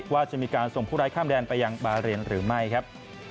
ว่าจะมีการส่งผู้ร้ายข้ามแดนไปยังบาเรนหรือไม่ครับ